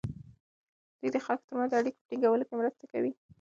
دوی د خلکو ترمنځ د اړیکو په ټینګولو کې مرسته کوي.